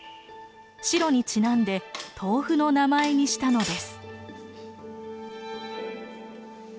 白にちなんで豆腐の名前にしたのです。